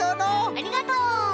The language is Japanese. ありがとう！